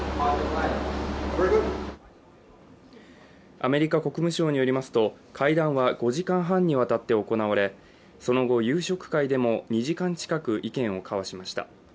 アメリカ国務省によりますと会談は５時間半にわたって行われその後、夕食会でも２時間近く意見を交わしました。